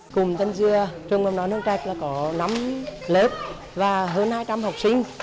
cùng tân dưa trung đoàn hương trạch có năm lớp và hơn hai trăm linh học sinh